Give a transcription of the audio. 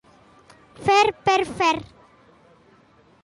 Fer per fer.